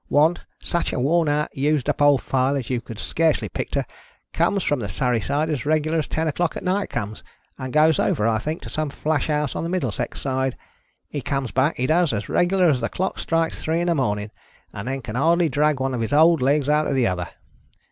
One, such a worn out used up old file as you «an scarcely picter, comes from the Surrey side as regular as ten o'clock at night comes ; and goes over, /think, to some flash house on the Middlesex side. He comes back, he does, as reg'lar as the clock strikes three in the morning, and then can hardly drag one of his old legs after the other.